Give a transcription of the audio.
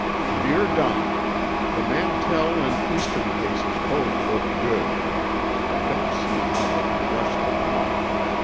Dear Don: The Mantell and Eastern cases both look good. I don't see how they can brush them off.